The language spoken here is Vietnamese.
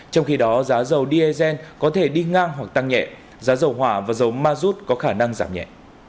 trong khi đó giá dầu diesel có thể đi ngang hoặc tăng nhẹ giá dầu hỏa và dầu ma rút có khả năng giảm nhẹ